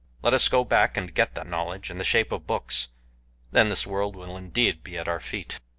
Let us go back and get that knowledge in the shape of books then this world will indeed be at our feet."